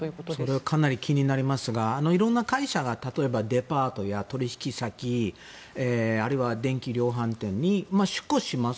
それはかなり気になりますが色んな会社が例えばデパートや取引先あるいは電気量販店に出向します。